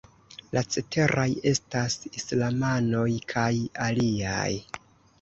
La ceteraj estas Islamanoj kaj aliaj.